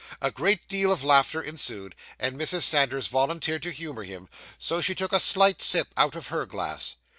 A great deal of laughter ensued, and Mrs. Sanders volunteered to humour him, so she took a slight sip out of her glass.